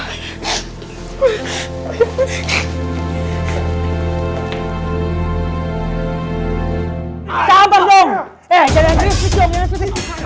eh jangan jangan beres kecil jangan beres kecil